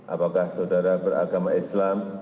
apakah saudara beragama islam